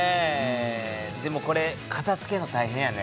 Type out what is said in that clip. でもこれかたづけるの大変やね。